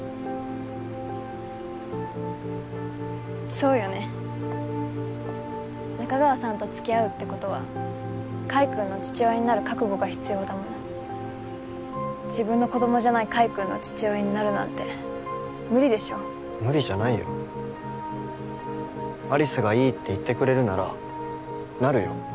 そうよね仲川さんとつきあうってことは海くんの父親になる覚悟が必要だもの自分の子どもじゃない海くんの父親になるなんて無理でしょ無理じゃないよ有栖がいいって言ってくれるならなるよ